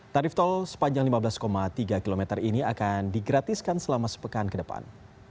tarif tol sepanjang lima belas tiga km ini akan digratiskan selama sepekan ke depan